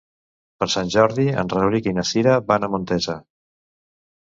Per Sant Jordi en Rauric i na Cira van a Montesa.